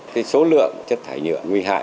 cái số lượng chất thải nhựa nguy hại